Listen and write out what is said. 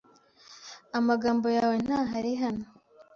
Amagambo yawe ntahari hano.